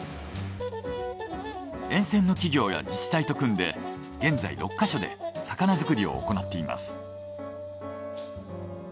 沿線の企業や自治体と組んで現在６か所で魚作りを行っています。